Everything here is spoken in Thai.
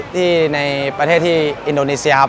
ที่ในประเทศที่อินโดนีเซียครับ